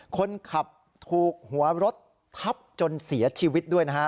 คนขับถูกหัวรถทับจนเสียชีวิตด้วยนะฮะ